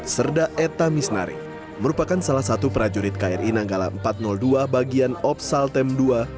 serda eta misnari merupakan salah satu prajurit kri nanggala empat ratus dua bagian opsaltem ii